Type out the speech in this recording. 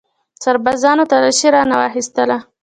سربازانو تلاشي رانه واخیستله.